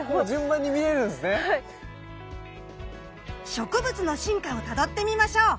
植物の進化をたどってみましょう。